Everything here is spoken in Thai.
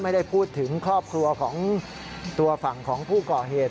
ไม่ได้พูดถึงครอบครัวของตัวฝั่งของผู้ก่อเหตุ